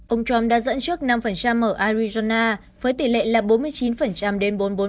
ông trump đã dẫn trước năm ở arizona với tỷ lệ là bốn mươi chín đến bốn mươi bốn